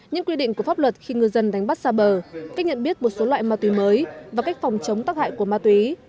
những quy định của pháp luật khi ngư dân đánh bắt xa bờ cách nhận biết một số loại ma túy mới và cách phòng chống tắc hại của ma túy